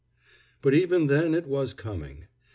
But even then it was coming.